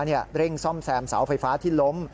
เร่งซ่อมแซมเสาไฟฟ้าที่ล้ม